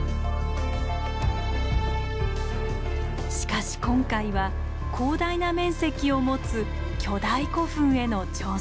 しかし今回は広大な面積を持つ巨大古墳への挑戦。